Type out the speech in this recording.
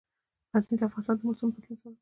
غزني د افغانستان د موسم د بدلون سبب کېږي.